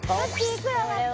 いくらだった？